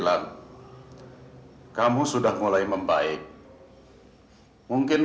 jangan sampai membuat dia tersinggung